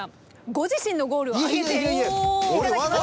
ご自身のゴールを挙げて頂きました。